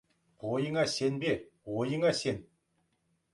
Бойыңа сенбе, ойыңа сен.